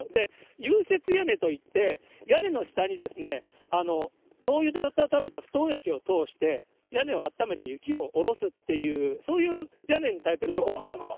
融雪屋根といって、屋根の下に灯油で温めた不凍液を通して、屋根をあっためて、雪を下ろすっていう、そういう屋根にされている所もあるんです。